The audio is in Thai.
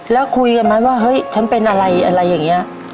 แล้วคุยกันมั้ยว่าเฮ้ยฉันเป็นอะไรอย่างเงี้ย